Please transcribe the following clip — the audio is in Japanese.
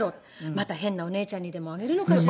また変なお姉ちゃんにでもあげるのかしらとかね。